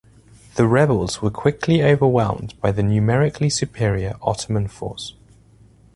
The rebels were quickly overwhelmed by the numerically superior Ottoman force.